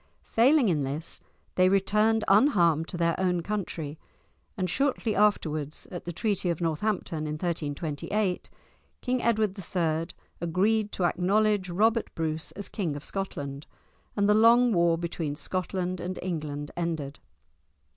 Failing in this, they returned unharmed to their own country, and shortly afterwards, at the Treaty of Northampton in 1328, King Edward III. agreed to acknowledge Robert Bruce as King of Scotland, and the long war between Scotland and England ended.